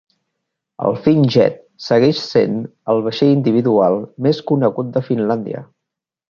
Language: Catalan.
El "Finnjet" segueix sent el vaixell individual més conegut de Finlàndia.